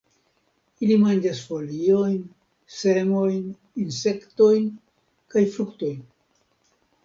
Ili manĝas foliojn, semojn, insektojn kaj fruktojn.